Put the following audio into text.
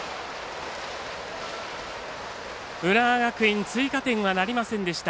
浦和学院追加点はなりませんでした。